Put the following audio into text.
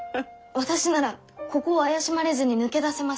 私ならここを怪しまれずに抜け出せます。